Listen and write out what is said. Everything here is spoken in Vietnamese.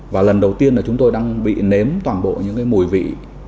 và lần đầu tiên là chúng tôi đang bị nếm toàn bộ những cái mùi vị